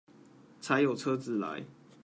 才有車子來